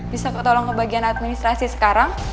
bisa ketolong ke bagian administrasi sekarang